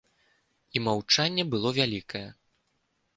І маўчанне было вялікае.